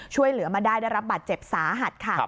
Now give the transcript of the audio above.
ช่วยเหลือมาได้ได้รับบาดเจ็บสาหัสค่ะ